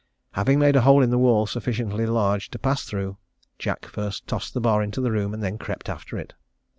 Having made a hole in the wall sufficiently large to pass through, Jack first tossed the bar into the room and then crept after it.